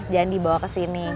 jangan dibawa ke sini